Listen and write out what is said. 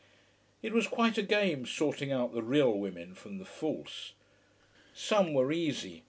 It was quite a game, sorting out the real women from the false. Some were easy.